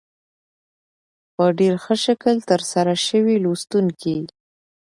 په ډېر ښه شکل تر سره شوې لوستونکي